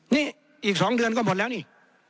นี่อีก๒เดือนก็หมดแล้วนี่